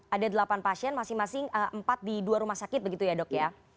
ada delapan pasien masing masing empat di dua rumah sakit begitu ya dok ya